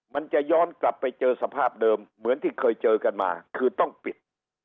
มันจะย้อนกลับไปเจอสภาพเดิมเหมือนที่เคยเจอกันมาคือต้องปิด